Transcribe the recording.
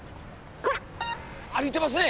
歩いてますねえ！